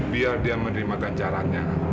biar dia menerima ganjilnya